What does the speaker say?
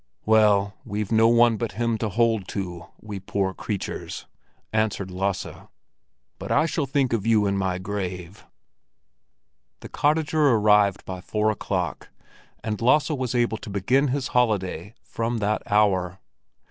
"Well, we've no one but Him to hold to, we poor creatures," answered Lasse. "But I shall thank you in my grave." The cottager arrived by four o'clock, and Lasse was able to begin his holiday from that hour.